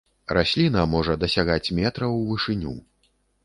Расліна можа дасягаць метра ў вышыню.